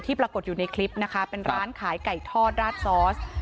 ปรากฏอยู่ในคลิปนะคะเป็นร้านขายไก่ทอดราดซอส